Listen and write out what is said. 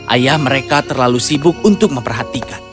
ayah mereka terlalu sibuk untuk memperhatikan